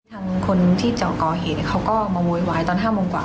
ทางคนที่ก่อเหตุเขาก็มาโวยวายตอน๕โมงกว่า